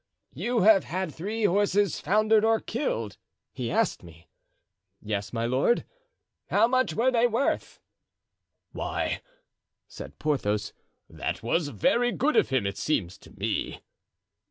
"'You have had three horses foundered or killed?' he asked me. "'Yes, my lord.' "'How much were they worth?'" "Why," said Porthos, "that was very good of him, it seems to me."